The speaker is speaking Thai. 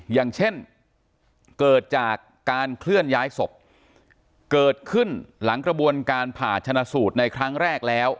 อย่างเช่นเกิดจากการเคลื่อนย้ายศพเกิดขึ้นหลังกระบวนการผ่าชนะสูตรในครั้งแรกแล้ว